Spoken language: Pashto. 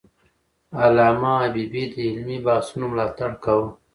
علامه حبيبي د علمي بحثونو ملاتړ کاوه.